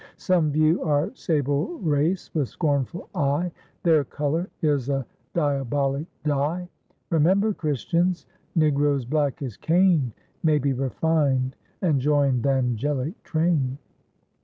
Some view our sable race with scornful eye, 'Their color is a diabolic dye.' Remember, Christians, Negroes black as Cain, May be refined, and join th' angelic train."